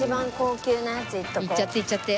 いっちゃっていっちゃって。